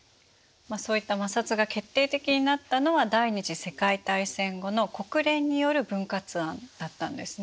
そういった摩擦が決定的になったのは第二次世界大戦後の国連による分割案だったんですね？